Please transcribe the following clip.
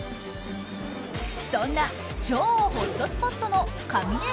そんな超ホットスポットのかみね